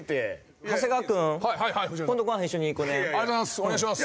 お願いします。